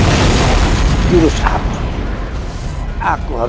aku setelah berfitur